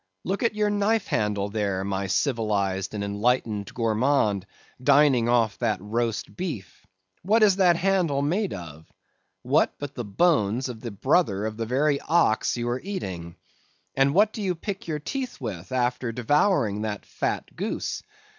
Look at your knife handle, there, my civilized and enlightened gourmand dining off that roast beef, what is that handle made of?—what but the bones of the brother of the very ox you are eating? And what do you pick your teeth with, after devouring that fat goose?